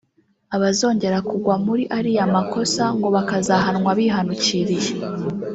abazongera kugwa muri ariya makosa ngo bakazahanwa bihanukiriye